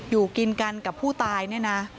อยู่กินกันกับผู้ตายเนี่ยนะ